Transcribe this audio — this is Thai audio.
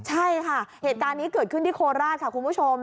ใช่ค่ะเหตุการณ์นี้เกิดขึ้นที่โคราชค่ะคุณผู้ชม